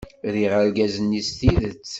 Riɣ argaz-nni s tidet.